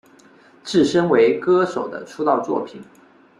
自身为歌手的出道作品。